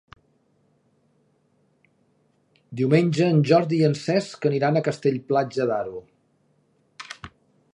Diumenge en Jordi i en Cesc aniran a Castell-Platja d'Aro.